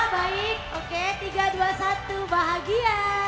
baik oke tiga dua satu bahagia